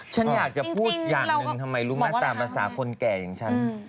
ฉันอยากจะพูดอย่างหนึ่งทำไมรู้ไหมตามภาษาคนแก่อย่างฉัน